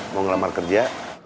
mau ngelamar kerja